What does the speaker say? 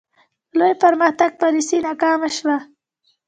د لوی پرمختګ پالیسي ناکامه شوه.